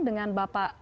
dengan bapak usman